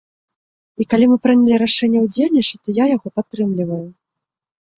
І калі мы прынялі рашэнне ўдзельнічаць, то я яго падтрымліваю.